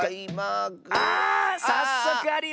あさっそくありました！